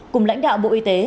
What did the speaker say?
cùng lãnh đạo bộ y tế